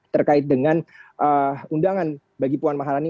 terkait dengan undangan bagi puan maharani